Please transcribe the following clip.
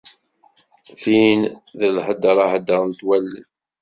Tin d lhedra heddrent wallen.